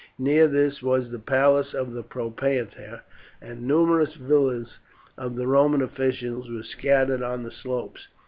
Near this was the palace of the propraetor, and numerous villas of the Roman officials were scattered on the slopes.